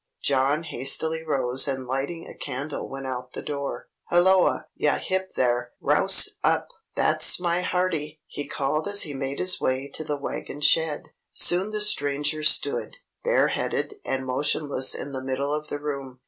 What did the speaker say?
John hastily rose and lighting a candle went out the door. "Halloa! Yahip there! Rouse up! That's my hearty!" he called as he made his way to the wagon shed. Soon the Stranger stood, bareheaded and motionless in the middle of the room.